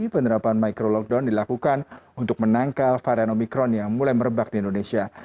penerapan micro lockdown dilakukan untuk menangkal varian omikron yang mulai merebak di indonesia